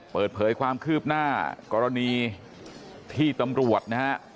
เปิดเผยความคืบหน้ากรณีที่ตำรวจนะฮะ